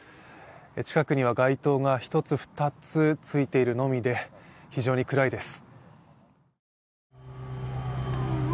近くには街灯が１つ、２つついているのみで非常にくらいです。